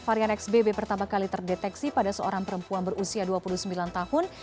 varian xbb pertama kali terdeteksi pada seorang perempuan berusia dua puluh sembilan tahun